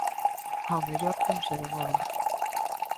Ao mellor ponse de moda.